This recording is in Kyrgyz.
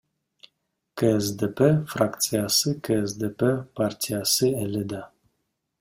КСДП фракциясы — КСДП партиясы эле да.